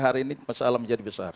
hari ini masalah menjadi besar